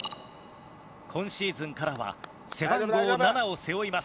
今シーズンからは背番号７を背負います。